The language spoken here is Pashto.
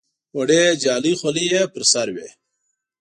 وړې جالۍ خولۍ یې پر سر وې.